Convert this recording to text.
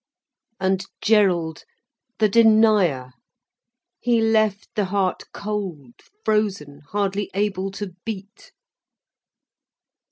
And Gerald! The denier! He left the heart cold, frozen, hardly able to beat.